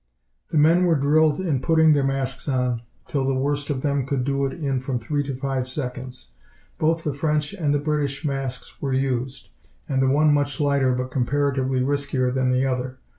The men were drilled in putting their masks on, till the worst of them could do it in from three to five seconds. Both the French and the British masks were used, the one much lighter but comparatively riskier than the other.